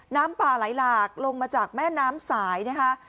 น้ำป่าไหลหลากลงมาจากแม่น้ำสายนะคะ